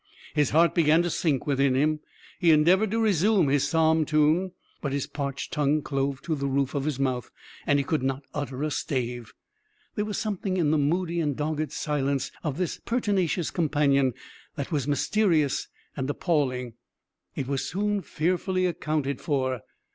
His heart began to sink within him; he endeavored to resume his psalm tune, but his parched tongue clove to the roof of his mouth, and he could not utter a stave. There was something in the moody and dogged silence of this pertinacious companion that was mysterious and appalling. It was soon fearfully accounted for.